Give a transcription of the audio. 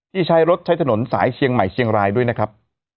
ใช้รถใช้ถนนสายเชียงใหม่เชียงรายด้วยนะครับ